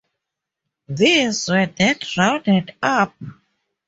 These were then rounded up.